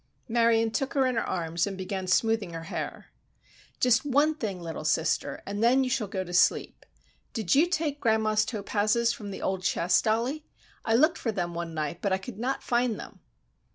Marion took her in her arms and began smoothing her hair. "Just one thing, little sister, and then you shall go to sleep. Did you take grandma's topazes from the old chest, Dollie? I looked for them one night, but I could not find them."